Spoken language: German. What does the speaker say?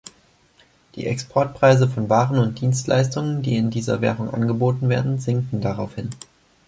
Die Exportpreise von Waren und Dienstleistungen, die in dieser Währung angeboten werden, sinken daraufhin.